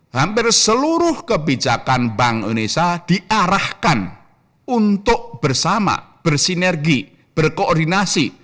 hampir seluruh kebijakan bank indonesia diarahkan untuk bersama bersinergi berkoordinasi